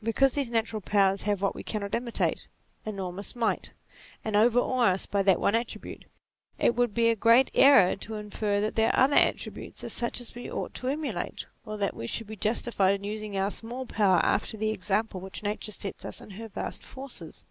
Because these natural powers have what we cannot imitate, enormous might, and overawe us by that one attribute, it would be a great error to infer that their other attributes are such as we ought to emulate, or that we should be justified in using our small powers after the example which Nature sets us with her vast forces.